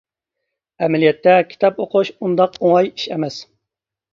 ئەمەلىيەتتە كىتاب ئوقۇش ئۇنداق ئوڭاي ئىش ئەمەس.